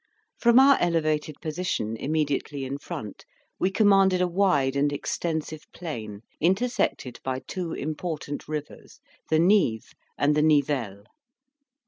From our elevated position, immediately in front, we commanded a wide and extensive plain, intersected by two important rivers, the Nive and the Nivelle.